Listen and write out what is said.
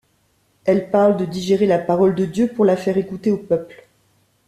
Elle parle de digérer la parole de Dieu pour la faire écouter au peuple.